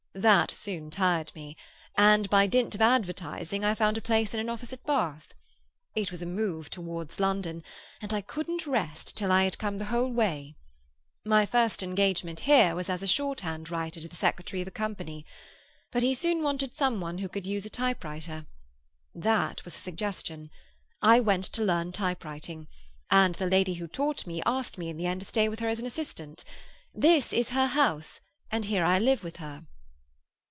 That soon tired me, and by dint of advertising I found a place in an office at Bath. It was a move towards London, and I couldn't rest till I had come the whole way. My first engagement here was as shorthand writer to the secretary of a company. But he soon wanted some one who could use a typewriter. That was a suggestion. I went to learn typewriting, and the lady who taught me asked me in the end to stay with her as an assistant. This is her house, and here I live with her."